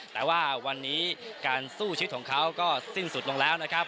แต่ว่าวันนี้การสู้ชีวิตของเขาก็สิ้นสุดลงแล้วนะครับ